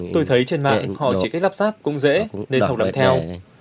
tôi thấy trần mạng họ chỉ cách lắp ráp cũng dễ nên họ đặt theo